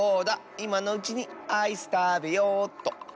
いまのうちにアイスたべようっと。